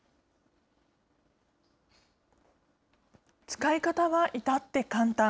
使い方は至って簡単。